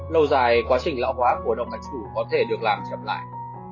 lâu dài quá trình lão hóa của động mạch chủ có thể được làm chậm lại